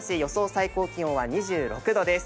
最高気温は２６度です。